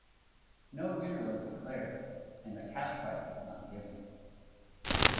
No winner was declared, and the cash prize was not given.